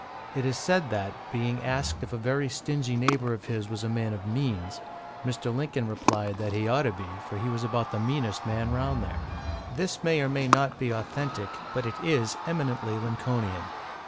It is said that, being asked if a very stingy neighbour of his was a man of means, Mr. Lincoln replied that he ought to be, for he was about the meanest man round there. This may or may not be authentic, but it is eminently Lincolnian.